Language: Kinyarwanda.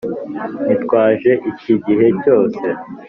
Nitwaje iki gihe cyose